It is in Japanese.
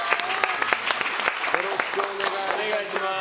よろしくお願いします。